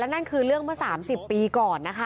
และนั่นคือเรื่องเมื่อสามสิบปีก่อนนะคะ